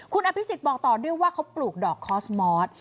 คุณอภิษฎบอกต่อด้วยว่าเขาปลูกดอกคอสมอส